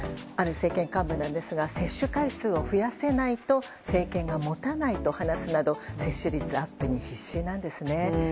ある政権幹部なんですが接種回数を伸ばせないと支持率が伸ばせないと話すなど、接種率アップに必死なんですね。